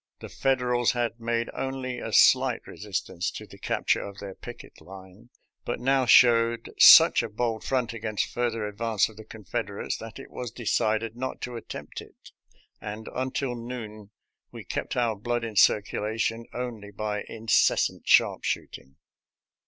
The Federals had made only a slight resistance to the capture of their picket line, but now showed such a bold front against farther advance of the Confeder ates that it was decided not to attempt it, and until noon we kept our blood in circulation only by incessant sharpshooting.